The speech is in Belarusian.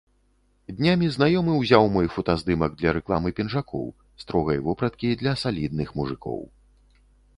Днямі знаёмы ўзяў мой фотаздымак для рэкламы пінжакоў, строгай вопраткі для салідных мужыкоў.